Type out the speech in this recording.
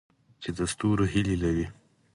چې د ستورو هیلې لري؟